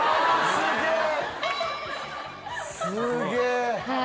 すげえ。